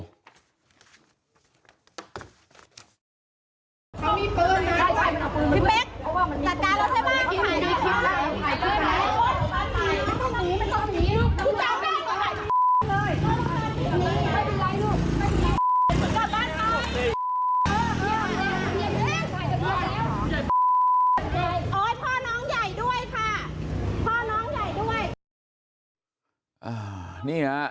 นี่คือความจริงแล้วทางฝั่งของเพื่อนของ